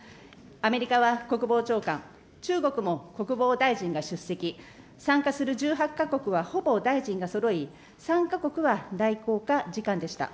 アメリカは国防長官、中国も国防大臣が出席、参加する１８か国はほぼ大臣がそろい、３か国は代行か次官でした。